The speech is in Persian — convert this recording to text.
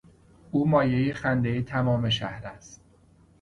او مایهی خندهی تمام شهر است.